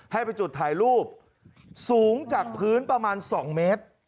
ให้ไปจุดถ่ายรูปสูงจากพื้นประมาณ๒เมตร